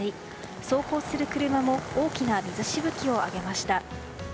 走行する車も大きな水しぶきを上げました。